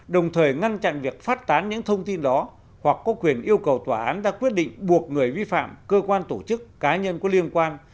đồng thời ngăn chặn việc phát tán những thông tin đó hoặc có quyền yêu cầu tòa án ra quyết định buộc người vi phạm cơ quan tổ chức cá nhân có liên quan